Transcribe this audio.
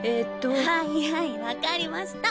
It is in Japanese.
はいはいわかりました。